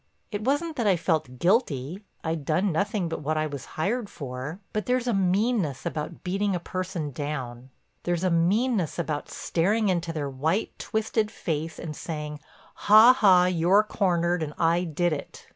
It wasn't that I felt guilty—I'd done nothing but what I was hired for—but there's a meanness about beating a person down, there's a meanness about staring into their white, twisted face and saying, "Ha—Ha—you're cornered and I did it!"